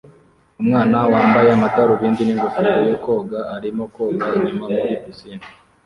Umwana wambaye amadarubindi n'ingofero yo koga arimo koga inyuma muri pisine